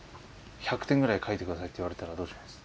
「１００点ぐらい描いて下さい」って言われたらどうします？